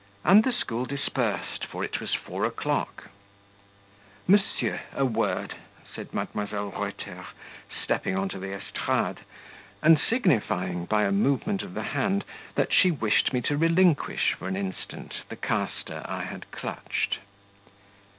And the school dispersed, for it was four o'clock. "Monsieur, a word," said Mdlle. Reuter, stepping on to the estrade, and signifying, by a movement of the hand, that she wished me to relinquish, for an instant, the castor I had clutched.